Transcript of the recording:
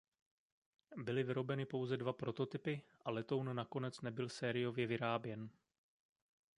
Byly vyrobeny pouze dva prototypy a letoun nakonec nebyl sériově vyráběn.